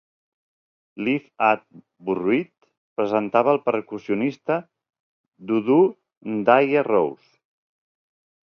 "Live at Vooruit" presentava el percussionista Doudou N'Diaye Rose.